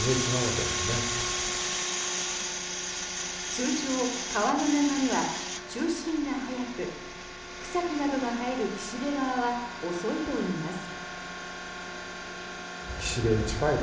通常、川の流れは中心が速く草木などが生える岸辺側は遅いといいます。